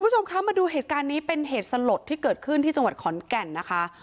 คุณผู้ชมคะมาดูเหตุการณ์นี้เป็นเหตุสลดที่เกิดขึ้นที่จังหวัดขอนแก่นนะคะ